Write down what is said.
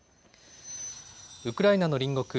ウクライナの隣国